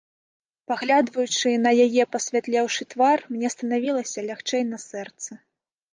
Паглядваючы на яе пасвятлеўшы твар, мне станавілася лягчэй на сэрцы.